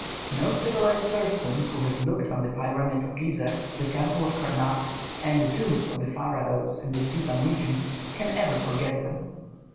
No civilized person who has looked on the pyramid of Ghizeh, the temple of Karnak, and the tombs of the pharaohs in the Theban region, can ever forget them.